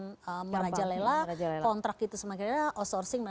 dan merajalela kontrak itu semakin